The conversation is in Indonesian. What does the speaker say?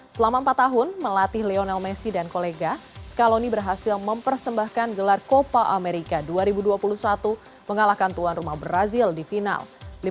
selama empat tahun melatih lionel messi dan kolega scaloni berhasil mempersembahkan gelar copa amerika dua ribu dua puluh satu mengalahkan tuan rumah brazil di final